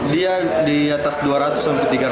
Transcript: dia di atas dua ratus sampai tiga ratus